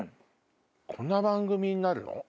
こんな番組になるの？